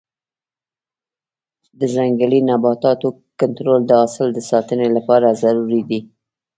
د ځنګلي نباتاتو کنټرول د حاصل د ساتنې لپاره ضروري دی.